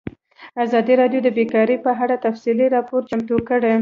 ازادي راډیو د بیکاري په اړه تفصیلي راپور چمتو کړی.